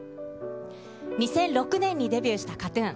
２００６年にデビューしたＫＡＴーＴＵＮ。